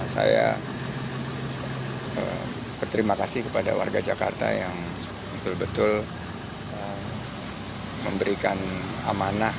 saya berterima kasih kepada warga jakarta yang betul betul memberikan amanah